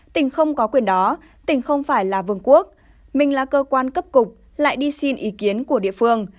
tỉnh không có quyền đó tỉnh không phải là vương quốc mình là cơ quan cấp cục lại đi xin ý kiến của địa phương